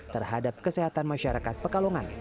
ketplik atas handuk